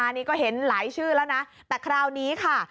นี่ก็เห็นหลายชื่อแล้วนะแต่คราวนี้ค่ะ